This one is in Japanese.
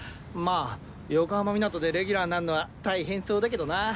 まあ横浜湊でレギュラーなんのは大変そうだけどな。